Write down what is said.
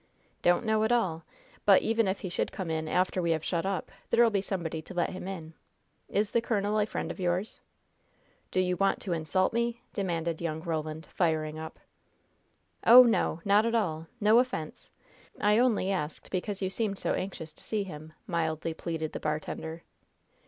"Don't know at all. But, even if he should come in after we have shut up, there'll be somebody to let him in. Is the colonel a friend of yours?" "Do you want to insult me?" demanded young Roland, firing up. "Oh, no, not at all no offense! I only asked because you seemed so anxious to see him," mildly pleaded the bartender.